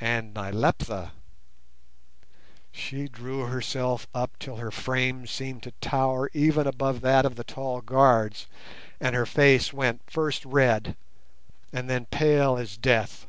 And Nyleptha! she drew herself up till her frame seemed to tower even above that of the tall guards, and her face went first red, and then pale as death.